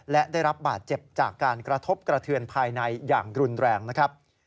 และได้รับบาดเจ็บจากการกระทบกระเทือนภายในอย่างรุนแรงนะครับ